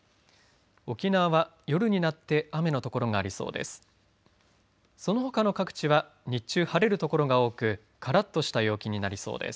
沖縄は夜になって雨の所がありそうです。